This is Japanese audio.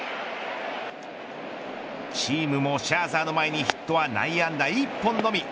チームも、シャーザーの前にヒットは内野安打１本のみ。